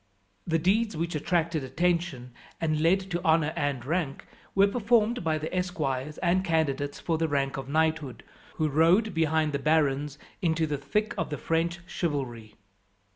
The deeds which attracted attention, and led to honour and rank, were performed by the esquires and candidates for the rank of knighthood, who rode behind the barons into the thick of the French chivalry.